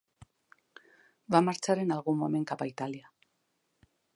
Va marxar en algun moment cap a Itàlia.